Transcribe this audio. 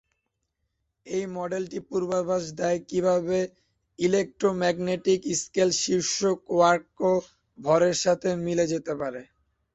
এই মডেলটি পূর্বাভাস দেয় কিভাবে ইলেক্ট্রোম্যাগনেটিক স্কেল শীর্ষ কোয়ার্ক ভরের সাথে মিলে যেতে পারে।